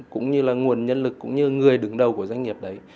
cũng như là nguồn nhân lực cũng như người đứng đầu của doanh nghiệp đấy